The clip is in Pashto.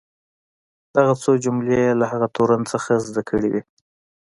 دغه څو جملې یې له هغه تورن څخه زده کړې وې.